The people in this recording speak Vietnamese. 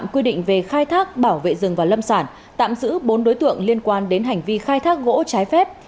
quy định về khai thác bảo vệ rừng và lâm sản tạm giữ bốn đối tượng liên quan đến hành vi khai thác gỗ trái phép